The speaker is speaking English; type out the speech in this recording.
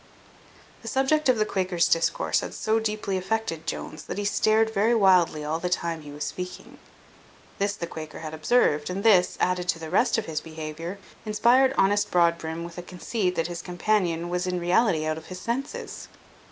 The subject of the Quaker's discourse had so deeply affected Jones, that he stared very wildly all the time he was speaking. This the Quaker had observed, and this, added to the rest of his behaviour, inspired honest Broadbrim with a conceit, that his companion was in reality out of his senses.